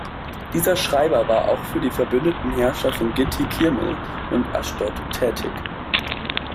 Dieser Schreiber war auch für die verbündeten Herrscher von Ginti-kirmil und Aschdod tätig.